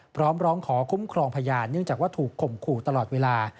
พร้อมร้องขอคุ้มครองพยานเนื่องจากว่าถูกข่มขู่ตลอดเวลา